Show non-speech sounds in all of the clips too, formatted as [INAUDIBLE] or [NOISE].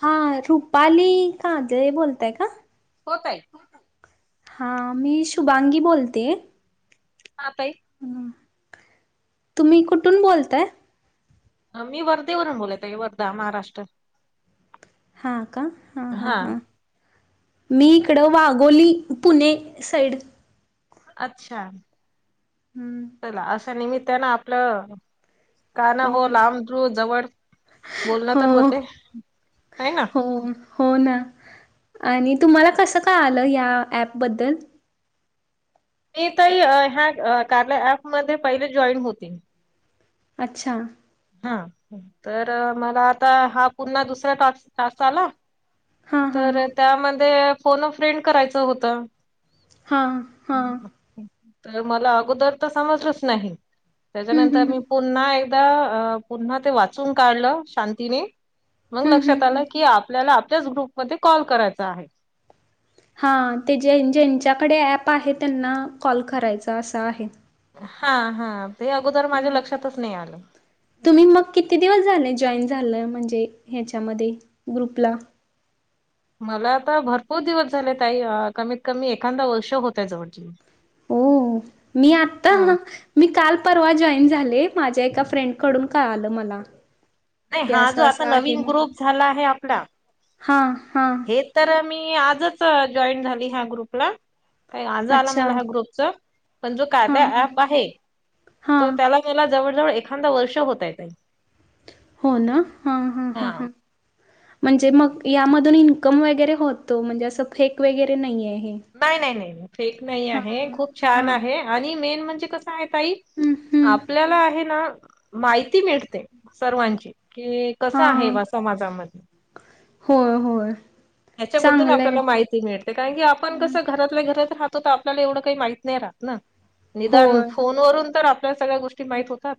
हा रुपाली कादळे बोलताय का? हो ताई. हा मी शुभांगी बोलते. हा ताई. तुम्ही कुठून बोलताय? मी वर्धेवरून बोलत आहे, वर्धा महाराष्ट्र. हा का हा हा हा. मी इकडं वाघोली पुणे साइड. अच्छा. हम्म. चला अशा निमित्तानं आपलं गाणं हो लांब रू जवळ [UNINTELLIGIBLE] बोलणं तर हो होतय तयना. होना आणि तुम्हाला कसं काय आलं ह्या ऍपबद्दल? मी तई अ ह्या अ कार्ल्या ॲपमध्ये पहिले जॉईन होते. अच्छां. हां तर मला आता हा पुन्हा दुसरा टास टास आला. हां हां तर त्यामध्ये फोनअ फ्रेंड करायचं होत‌. हां हां. तर मला अगोदरतर समजलच नाही हम्म त्याच्यानंतर हम्म मी पुन्हा एकदा. अं पुन्हा ते वाचून काढलं शांतीने मंग हम्म हम्म लक्षात हम्म आलं की, आपल्याला. त्याच ग्रुपमध्ये कॉल करायचा आहे. हां ते जें जेंच्याकडे ॲप आहे, त्यांना कॉल करायचा असं आहे. हां हां. तुम्ही मग किती दिवस झाले जॉईन झालंय म म्हंजे ह्याच्यामध्ये ग्रुपला? मला आता भरपूर दिवस झाले ताई‌ अ कमीत कमी एखांद वर्ष होतंय जवळ ज ओ मी आत्ता मी काल परवा जॉईन झाले माझ्या एका फ्रेंड कडून कळाल मला. नाही की हाजो असं आता असं आहे नवीन म्हणून ग्रुप झाला आहे आपला हां हां हेतर मी आजच जॉईन झाली ह्या ग्रुपला. काय आज आला अच्छा मला ह्या ग्रुपचा पण जो हां कार्या हां ॲप आहे त हां त्याला मला जवळजवळ एखांद वर्ष होतय ताई. हो ना हां हां हां हा हां. म्हंजे मग यामधून इन्कम वगैरे होतो म्हंजे असं फेक वेगैरे नाहीये. नाही नाही नाही फेक नाही आहे खूप छान हां आहे आणि मेन म्हणजे कस साय ताई हं हं आपल्याला आहेना माहिती मिळते सर्वांची. किइ कस आहे हां वा समाजामध् होय होय. त्याच्याबद्दल चांगलं आहे आपल्याला माहिती मिळते कारण की आपण हं, कसं घरातल्या घरात. राहतो तर आपल्या एवढं काइ माहित नई राहतना निदान होय फोनवरून तर आप पल्या सगळ्या गोष्टी माहित होतात.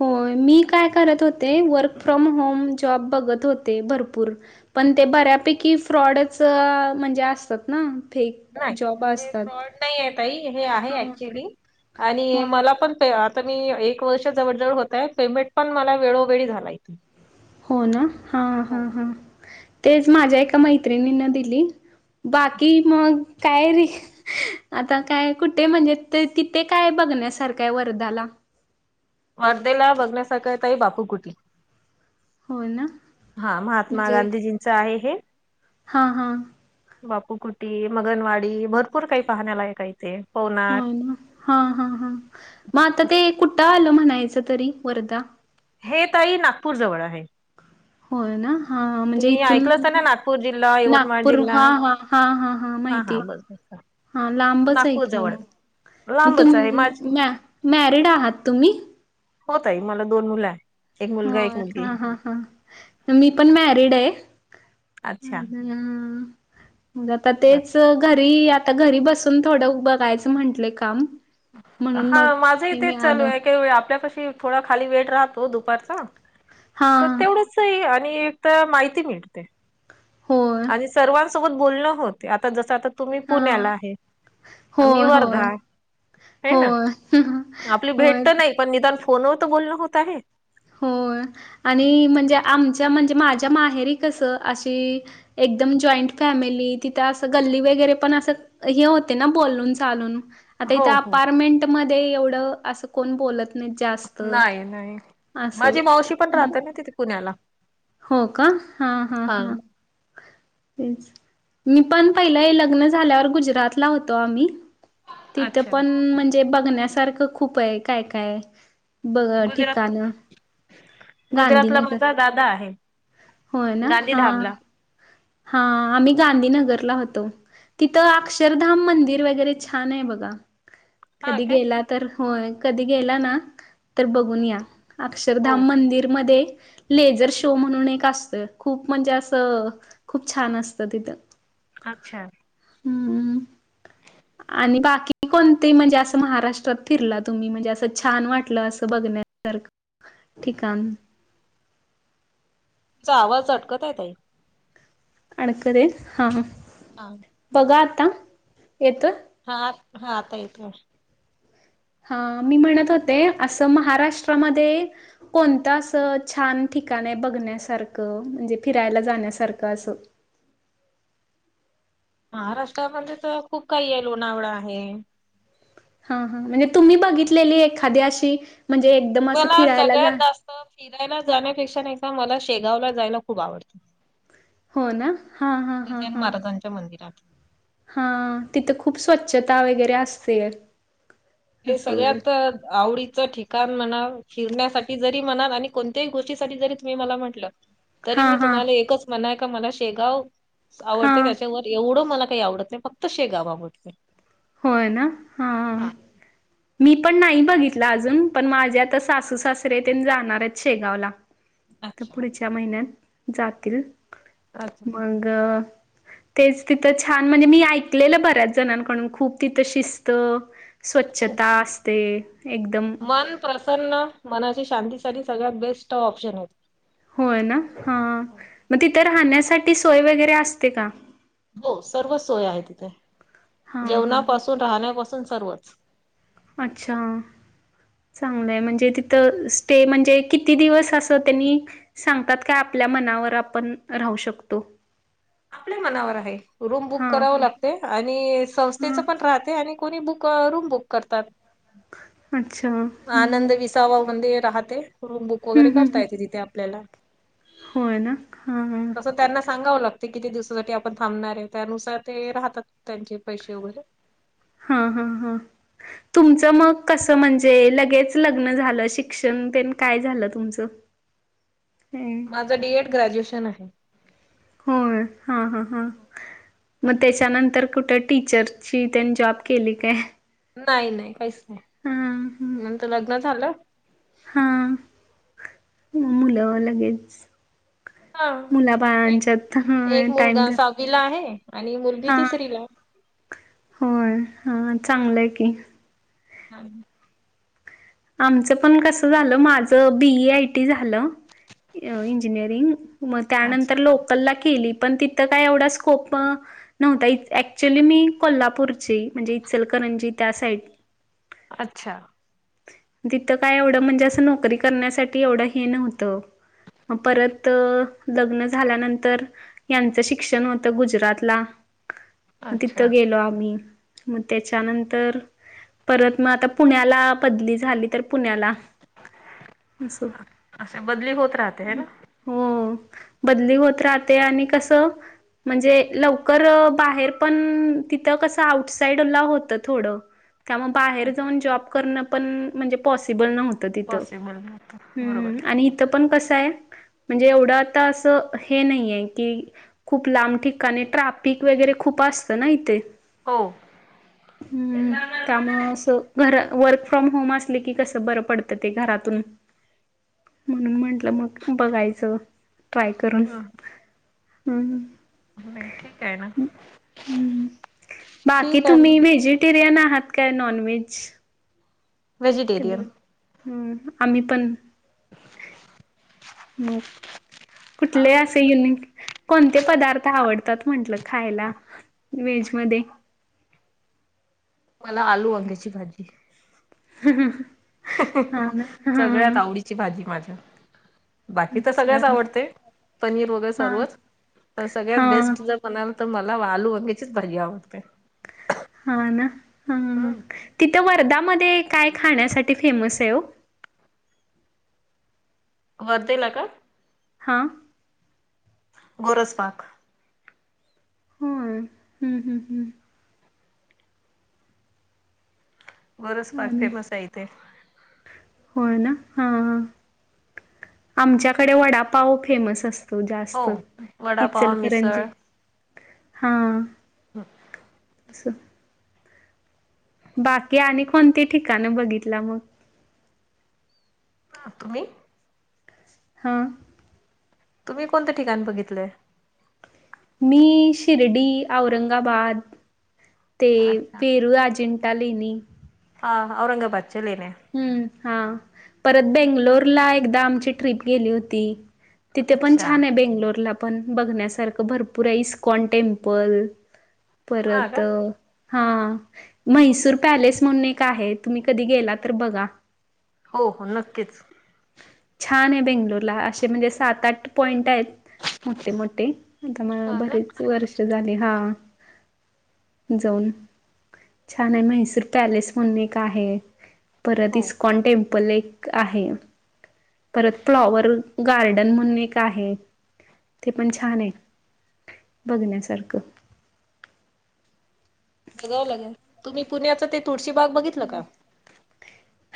होय मी काय करत होते वर्क फ्रॉम होम जॉब बघत होते भरपूर. पनते बऱ्यापैकी फ्रॉडच अं म्हंजे असतातना. नाई हे फ्रॉड नाईये ताई हे आहे हां, ऍक्च्युली. आनी हां. मला पनते आत त मी एक वर्ष जवळ जवळ होत आहे पेमेंट पण मला वेळोवेळी झाला इथे होना हां हो हां हां तेच माझ्या एका मैत्रिणी न दिली. बाकी मग कायरी आता काय कुठे म्हंजे ते तिथे काय बघण्यासारखाय वरदाला? वर्देला बघण्यासारखं तई बापूकुटी. होयना? हां महात्मा गांधीजींचं आहे हे. हां हां. बापूकुटी, मगनवाडी भरपूर काही पाहण्या लायक आहे इथे. पवनार. होयना हां हां हां म आताते कुट्ट आलं म्हणाय चतरी वरदा? हे ताई नागपूर जवळ आहे. होयना? हां म्हंजे तुम्ही इथून ऐकलंच ना नागपूर जिल्हा, यवतमाळ नागपूर जिल्हा हां हां हांहांहां हा हा माहितीये. [UNINTELLIGIBLE] लांबचाय नागपूर किओ जवळ म म लांबच आहे माझ तुम्ह मॅ मॅरिड आहात तुम्ही? होय ताई मला दोन मुलं आहे. एक हो मुलगा, एक मुलगी हा हा हा मी पण मॅरिड ये. अच्छा. अ.... आता तेच घरी आता घरी बसून थोडं बघायचं म्हटलंय काम. म्हणून हा मग माझंही हे तेच चालू मिळालं आहे काही व आपल्याप- थोडं खाली वेट राहतो दुपारचा हा तर तेवढं आणि एक तर माहिती मिळते. होय आणि सर्वांसोबत बोलणं होते आता जसं आता- तुम्ही हा पुण्याला आहे. आ.. मी होय होय वर्धा. हे ना होय आपली भेट होय तर नाही पण निदान फोनवर तर बोलणं होत आहे. हो, आणि म्हणजे आमच्या म्हणजे माझ्या माहेरी कसं अशी एकदम जॉईंट फॅमिली. तिथं असं गल्ली वगैरे पण... असं हे होते ना, बोलून चालून आता इथे हो हो. अपार्टमेंट मध्ये एवढं असं कोण बोलत नाही जास्त. नाही नाही असं. माझी मावशी पण हं. राहते ना तिथे पुण्याला. हो का? हा हा हा! ते मी पण... पहिलं लग्न झाल्यावर गुजरातला होतो आम्ही. तिथं अच्छा. पण म्हणजे बघण्यासारखं खूप आहे! काय काय. बघ गुजरात ठीकाण गुजरातला माझा दादा आहे. होय ना! हा, गांधीधामला. हा आम्ही गांधीनगरला होतो. तिथं अक्षरधाम मंदिर वगैरे छान आहे बघा! हा कधी काय? गेला तर.... होय, कधी गेला ना तर बघून या. हो अक्षरधाम हो. मंदिरमध्ये लेझर शो म्हणून एक असतोय खूप म्हणजे असं खूप छान असतं तिथं. अच्छा! हम्मम् आणि बाकी कोणते म्हणजे असं महाराष्ट्रात फिरला तुम्ही? म्हणजे असं छान वाटलं, अस बघ- स ठिकाण तुमचा आवाज अटकत आहे तई. अडखर हा हा हा आता येतो हा, हा आता येतोय. हा! मी म्हणत होते असं महाराष्ट्रामध्ये कोणत असं छान- ठिकाण बघण्यासारखं म्हणजे फिरायला जाण्यासारखं असं? [UNINTELLIGIBLE] महाराष्ट्रामध्ये तर खूप काही आहे लोणावळा आहे. हा, हा! म्हणजे तुम्ही बघितलेली एखादी अशी म्हणजे एकदम असं मला फिरायला सगळ्यात जा- जास्त फिरायला जाण्यापेक्षा, नाही का.... मला शेगावला जायला खूप आवडतं. हो ना हा हा ग हा जैन हा महाराजांच्या मंदिरात. हा तिथं खूप स्वच्छता वगैरे असते. हे असं सगळ्यात आवडीचं ठिकाण म्हणा फिरण्यासाठी जरी म्हणा आणि- कोणत्याही गोष्टीसाठी‌ जरी तुम्ही मला म्हटलं, तरी हा मी हा तुम्हाला एकच म्हणाय का मला शेगाव- हा आवडते त्याच्यावर एवढं मला काही आवडत नाही फक्त शेगाव आवडते. होय ना! हा, हा.. मी पण नाही बघितलं अजून पण माझे आता सासू सासरे ते जाणार आहेत शेगावला. तर अच्छा पुढेच्या महिन्यात जातील. अच्छा मग- तेच तिथं छान म्हणजे मी ऐकलेलं बऱ्याच जणांकडून खूप तिथं शिस्त- हं. स्वच्छता असते. एकदम मन प्रसन्न मनाची शांतीसाठी सगळ्यात बेस्ट ऑप्शन होय ना हा हो मग तिथं राहण्यासाठी सोय वगैरे असते का हो सर्व सोय आहे तिथे हां हां हां जेवणापासून राहण्यापासून सर्वच अच्छा चांगलंय म्हणजे तिथं स्टे म्हणजे किती दिवस असं त्यांनी सांगतात का आपल्या मनावर आपण राहू शकतो ह आपल्या मनावर आहे रूम बुक कराव हां लागते आणि संस्थेच हां पण राहते आणि बुक करतात अच्छा आनंद विसावा म्ह राहते रूम बुक वगैरे हं, हं, करता हं. येते तिथे आपल्याला होय ना हां हां तसं त्यांना सांगाव लाग ते किती दिवसासाठी आपण थांबणार आहे त्यानुसार ते राहतात त्यांचे पैसे वगैरे हा ह तुमच म क म्हण जे लगेच लग्न झा शिक्षण प काय झालं तुमच माझं डीएड ग्रॅज्युएशन आहे होय हा-हा-हा, मग त्याच्यानंतर कुठे टीचरची त्यानी जॉब केली काय? नाही-नाही काहीच नाही, हा हा [INAUDIBLE] नंतर लग्न झालं हा मुलं लगेच हा एक मुलाबाळंच्यात एक टाइम मुलगा का सहावीला आहे आणि मुलगी तिसरी ला [INAUDIBLE] होय हा चांगलंय की, हा, आमचं पण कस झालं माझ बी. ए. आय. टी. झालं. इंजिनियरिंग अच्छा त्यानंतर लोकल ला ली पण तिथ काय एवढा स्कोप नव्ह ऍक्च्युली मी कोल्हापूर म्हणजे इचल कणंजीत, अच्छा, तिथं काय एवढं म्हणजे असं नोकरी करण्यासाठी एवढं हे नव्हतं मग परत लग्न झाल्यानंतर यांचं शिक्षण होतं गुजरातला म अच्छा तिथं गेलो आम्ही मग त्याच्यानंतर परत मग आता पुण्याला बदली झाली तर पुण्याला अस असे बदली होत राहते है ना हो बदली होत राहते आणि कस म्हणजे लवकर बाहेर पण तिथं कसं आउट साईडला होत थोडं त्यामुळे बाहेर जाऊन जॉब करणं पण म्हणजे पॉसिबल नव्हत तिथ् पॉसिबल नव्हतं बरोबर आहे आणि इथं पण कसं आहे म्हणजे एवढं आता असं हे नाहीये की खूप लांब ठिकाणी ट्राफिक वगैरे खूप खपत ना इथे् हो त्यामुळे असे घर वर्क फ्रॉम होम असले की कसं बरं पडत ते घरातून म्हणून म्हंटलं मग बघायचं ट्राय करून हा ह, नाही ठीक आहे ना हम्म बाकी ठीक आहे ना तुम्ही व्हेजिटेरियन आहात काय नॉन व्हेज वेजिटेरियन, हम्म आम्ही पण म हा कुठले असे युन कोणते पदार्थ आवडतात म्हंटलं खायला वेज मध्ये. [INAUDIBLE] मला आलू वंग्याची भाजी [UNINTELLIGIBLE] हा ना [UNINTELLIGIBLE] सगळ्यात हा आवडीची भाजी माझ्या. बाकी तर अच्छा सगळ्याच आवडते पनीर वगैरे हा सर्वच पण हा सगळ्यात बेस्ट जर म्हणाला तर मला आलू अंगेचीच भज्या आवड हा ना हा हम्म, तिथं वर्धामध्ये ते काय खाण्यासाठी फेमस आहे ओ वरदला का? हा, गोरज पाक हो हम्म-हम्म हम्, बोरस पार्क आणि फेमस आहे इथे होय ना हा आमच्याकडे वडा-पाव फेमस असत हो जास्त वडापाव इचल खणज मिसळ हा [UNINTELLIGIBLE] तसं, बाकी आणि कोणती ठिकाण बघितलं मग तुम्ही हा तुम्ही कोणतं ठिकाण बघितलंय मी शिर्डी औरंगाबाद ते अच्छा पेरूराजन तलिनी हा औरंगाबाद हम्म हा परत बेंगलोरला एकदा आमची ट्रिप गेली होती तिथे पण अच्छा छान आहे बेंगलोरला आपण बघण्यासारख भरपूर आहे इस्कॉन टेम्पल हा परत का हा म्हैसूर पॅलेस म्हणून एक आहे तुम्ही कधी गेला तर बघा हो हो नक्कीच छान आहे बेंगलोर ला अ असे म्हणजे सात आठ पॉईंट आहेत मोठे मोठे आता म हा ना बरेच वर्ष झाली हा जाऊन छान आहे म्हैसूर पॅलेस म्हणून एक आहे परत इ हो स्कॉन टेम्पल एक आहे परत फ्लॉवर गार्डन म्हणून एक आहे ते पण छान आहे बघण्यासारखं बघावं लागे्या तुम्ही पुण्याच ते तुळशी बाग बघितलं का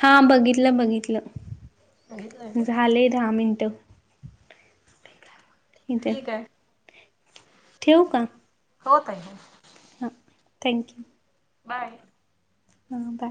हां बघितलं बघितलंय बघितलं ना झाले दहा मिनटं ठीक आहे ठेव का होत हा थँक्यू बाय हा का